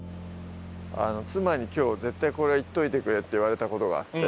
妻に「今日絶対これ言っといてくれ」って言われた事があって。